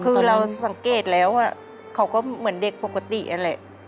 คือเราสังเกตแล้วเขาก็เหมือนเด็กปกตินั่นแหละ